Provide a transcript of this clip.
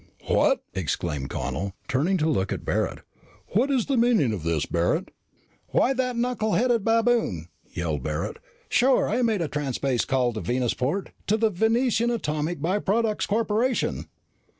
"What!" exclaimed Connel, turning to look at Barret. "What is the meaning of this, Barret?" "Why, that knuckle headed baboon!" yelled Barret. "Sure, I made a transspace call to Venusport to the Venusian Atomic By Products Corporation."